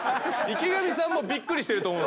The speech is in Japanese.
池上さんもびっくりしてると思う。